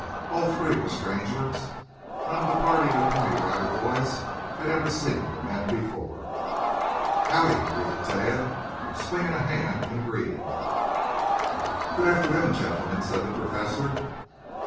All three were strangers. None of the party of Pony Rider Boys had ever seen the men before. "Howdy!" greeted Tad, swinging a hand in greeting. "Good afternoon, gentlemen," said the Professor.